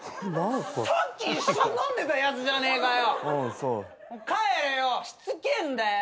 お前さっき一緒に飲んでたやつじゃねえかよ！